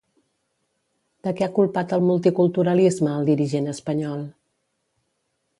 De què ha culpat al multiculturalisme el dirigent espanyol?